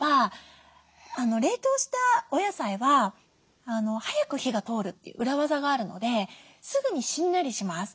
冷凍したお野菜は早く火が通るっていう裏技があるのですぐにしんなりします。